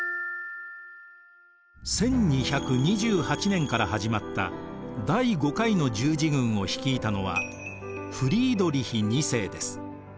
１２２８年から始まった第５回の十字軍を率いたのはフリードリヒ２世です。